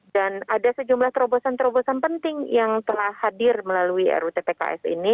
dan ada sejumlah terobosan terobosan penting yang telah hadir melalui rutpks ini